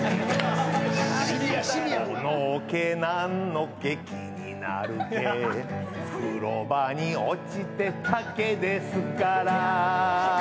この毛何の毛気になる毛風呂場に落ちてた毛ですから